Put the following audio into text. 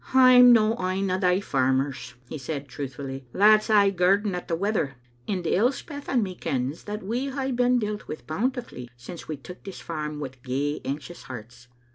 "I'm no ane o' thae farmers," he said, truthfillly, "that's aye girding at the weather, and Elspeth and me kens that we hae been dealt wi* bountifully since we took this farm wi' gey anxious hearts.